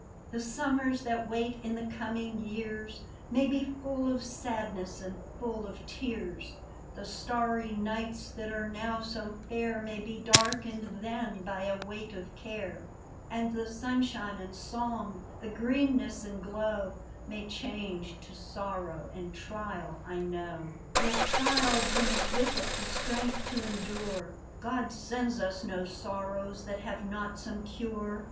The summers that wait in the coming years May be full of sadness and full of tears ; The starry nights that are now so fair May be darkened then by a weight of care, And the sunshine and song, the greenness and glow, May change to sorrow and trial, I know ; 51 JUNE. Yet trial brings with it the strength to endure : God sends us no sorrows that have not some cure.